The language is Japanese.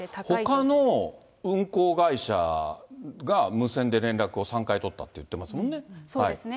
ほかの運航会社が無線で連絡を３回取ったって言ってますもんそうですね。